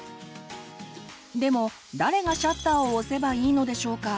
でも誰がシャッターを押せばいいのでしょうか？